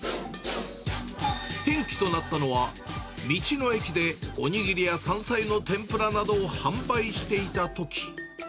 転機となったのは、道の駅でお握りや山菜の天ぷらなどを販売していたとき。